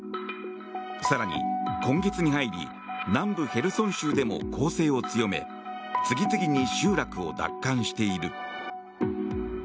更に、今月に入り南部ヘルソン州でも攻勢を強め次々に集落を奪還している。